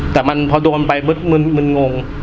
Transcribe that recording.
แต่มันผ่าโดนมันไปมึนงง